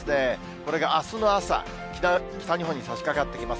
これがあすの朝、北日本にさしかかってきます。